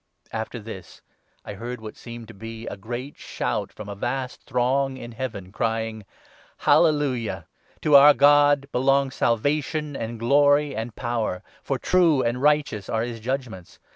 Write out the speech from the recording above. After this, I heard what seemed to be a great shout from a i vast throng in Heaven, crying —' Hallelujah ! To our God belong Salvation, and Glory, and Power, for true and righteous are his 2 judgements.